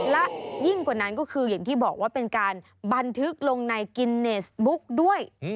และยิ่งกว่านั้นก็คืออย่างที่บอกว่าเป็นการบันทึกลงในกินเนสบุ๊กด้วย